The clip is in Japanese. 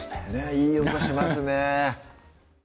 いい音しますね